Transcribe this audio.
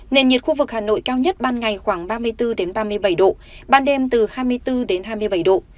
nền nhiệt khu vực hà nội cao nhất ban ngày khoảng ba mươi bốn ba mươi bảy độ ban đêm từ hai mươi bốn hai mươi bảy độ